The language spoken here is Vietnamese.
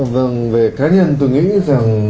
vâng về cá nhân tôi nghĩ rằng